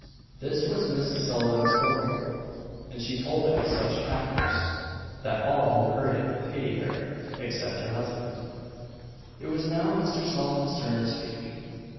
This was Mrs. Sullivan's story; and she told it with such pathos, that all who heard it pitied her except her husband. It was now Mr. Sullivan's turn to speak.